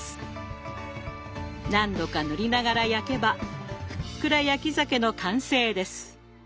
何度か塗りながら焼けばふっくら「焼き鮭」の完成です。